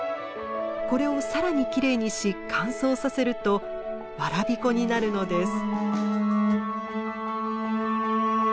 これを更にきれいにし乾燥させるとわらび粉になるのです。